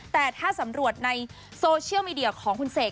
แต่ถ้าสำรวจในโซเชียลมีเดียของคุณเสก